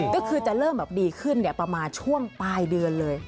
ก็คือจะเริ่มดีขึ้นประมาณช่วงปลายเดือนเลย